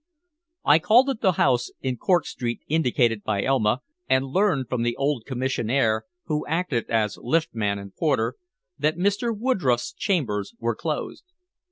I called at the house in Cork Street indicated by Elma, and learned from the old commissionaire who acted as lift man and porter, that Mr. Woodroffe's chambers were closed.